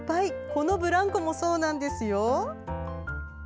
このブランコもそうなんですよ。